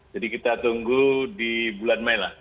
jadi kita tunggu di bulan mei lah